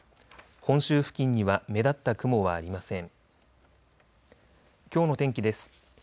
本州付近には目立った雲はありません。